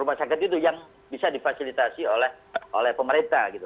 rumah sakit itu yang bisa difasilitasi oleh pemerintah gitu